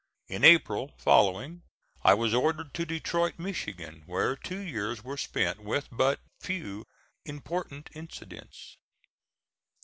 In April following I was ordered to Detroit, Michigan, where two years were spent with but few important incidents.